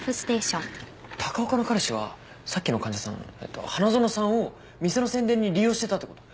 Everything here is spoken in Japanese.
高岡の彼氏はさっきの患者さんえっと花園さんを店の宣伝に利用してたってこと？